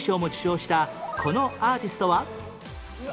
このアーティストは？